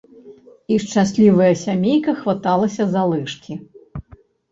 І шчаслівая сямейка хваталася за лыжкі.